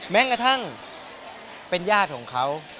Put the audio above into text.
แม้กระทั่งเป็นญาติของเขา